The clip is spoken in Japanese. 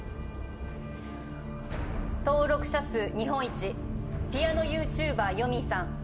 登録者数日本一ピアノＹｏｕＴｕｂｅｒよみぃさん。